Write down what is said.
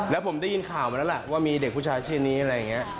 แล้วผมได้ยินข่าวมาแล้วล่ะว่ามีเด็กผู้ชายชื่อนี้อะไรอย่างนี้